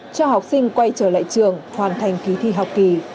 cho học sinh quay trở lại trường hoàn thành kỳ thi học kỳ